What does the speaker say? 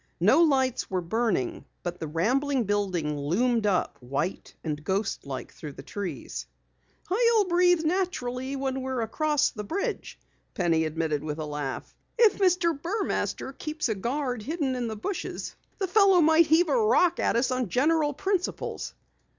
No lights were burning, but the rambling building loomed up white and ghost like through the trees. "I'll breathe natural when we're across the bridge," Penny admitted with a laugh. "If Mr. Burmaster keeps a guard hidden in the bushes, the fellow might heave a rock at us on general principles."